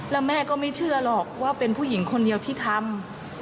แล้วแม่ก็ไม่เชื่อหรอกว่าเป็นผู้หญิงคนเดียวที่ทำ